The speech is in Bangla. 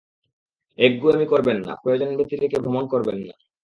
একগুঁয়েমি করবেন না, প্রয়োজন ব্যতিরেকে ভ্রমণ করবেন না।